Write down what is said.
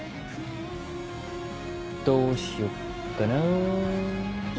どうしよっかなぁ。